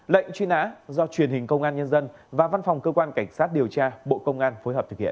lệnh truy nã do truyền hình công an nhân dân và văn phòng cơ quan cảnh sát điều tra bộ công an phối hợp thực hiện